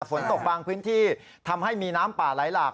ฝนตกบางพื้นที่ทำให้มีน้ำป่าไหลหลาก